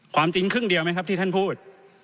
ความจริงครึ่งเดียวไหมครับที่ท่านพูด